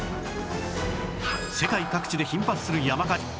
世界各地で頻発する山火事